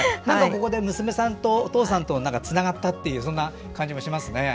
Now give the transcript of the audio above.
ここで娘さんとお父さんとつながったっていう感じもします。